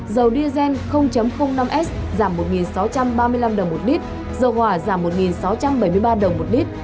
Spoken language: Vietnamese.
dầu diazen năm s giảm một nghìn sáu trăm ba mươi năm đồng một lít dầu hỏa giảm một nghìn sáu trăm bảy mươi ba đồng một lít